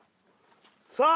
さあ！